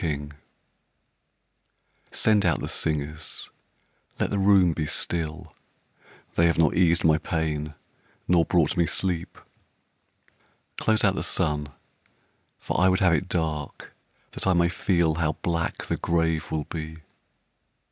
Beatrice Send out the singers let the room be still; They have not eased my pain nor brought me sleep. Close out the sun, for I would have it dark That I may feel how black the grave will be.